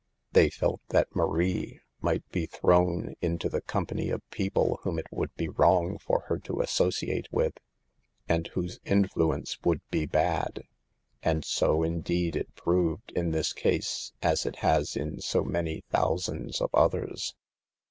They felt that Marie might be THE EVILS 01? DANCING. 63 thrown into the company of people whom it would be wrong for her to associate with, and whose influence would be bad. And so, in deed, it proved in this case, as it has in so many thousands of others.